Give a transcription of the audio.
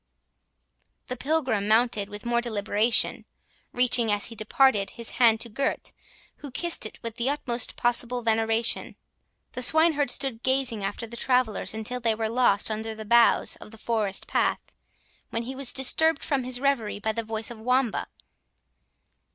The Pilgrim mounted with more deliberation, reaching, as he departed, his hand to Gurth, who kissed it with the utmost possible veneration. The swineherd stood gazing after the travellers until they were lost under the boughs of the forest path, when he was disturbed from his reverie by the voice of Wamba.